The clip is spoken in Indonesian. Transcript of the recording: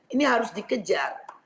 ini harus dikejar